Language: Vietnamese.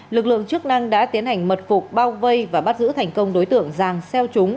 lực lượng chức năng đã tiến hành mật phục bao vây và bắt giữ thành công đối tượng giàng xeo trúng